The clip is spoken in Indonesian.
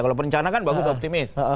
kalau perencana kan bagus optimis